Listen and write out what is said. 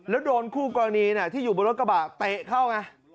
แล้วโดนคู่กรณีที่อยู่บนรถกระบะเตะเข้าไง